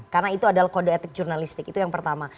karena itu adalah kode etik jurnalistik itu yang pertama